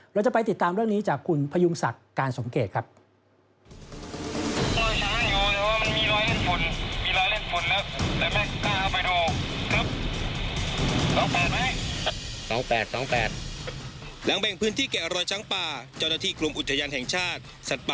เราจะไปติดตามเรื่องนี้จากคุณพยุงศักดิ์การสมเกตครับ